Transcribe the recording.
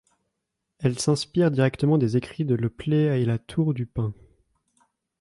Elle s'inspire directement des écrits de Le Play et La Tour du Pin.